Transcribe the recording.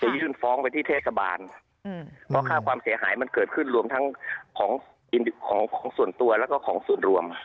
ยื่นฟ้องไปที่เทศบาลเพราะค่าความเสียหายมันเกิดขึ้นรวมทั้งของกินของส่วนตัวแล้วก็ของส่วนรวม